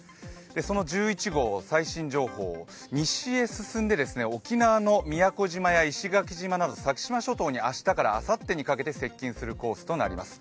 その１１号、最新情報ですが、西へ進んで、沖縄の宮古島や石垣島など先島諸島に明日からあさってにかけて接近するコースとなりそうです。